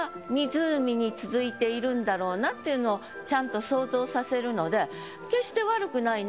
んだろうなっていうのをちゃんと想像させるので。